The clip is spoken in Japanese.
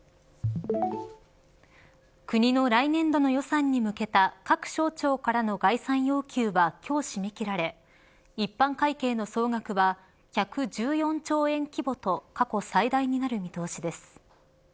国の来年度の予算に向けた各省庁からの概算要求は今日締め切られ一般会計の総額は１１４兆円規模と過去最大になる見通しです。